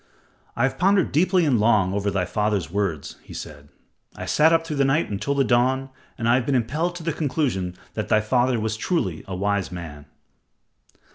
"I have pondered deeply and long over thy father's words," he said. "I sat up through the night until the dawn, and I have been impelled to the conclusion that thy father was truly a wise man."